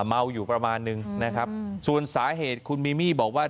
เมาอยู่ประมาณนึงนะครับส่วนสาเหตุคุณมิมี่บอกว่า